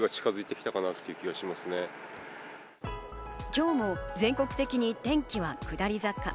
今日も全国的に天気は下り坂。